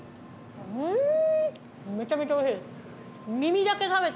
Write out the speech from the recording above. うん！